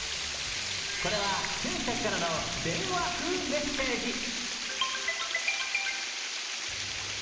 これは選手たちからの電話風メッセージ。